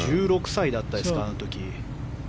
１６歳だったですかあの時。